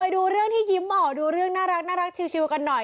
ดูเรื่องที่ยิ้มออกดูเรื่องน่ารักชิวกันหน่อย